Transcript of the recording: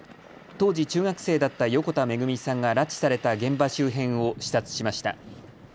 当時、中学生だった横田めぐみさんが拉致された現場周辺を視察しました。